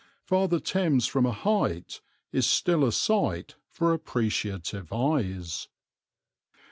Father Thames from a height is still a sight for appreciative eyes.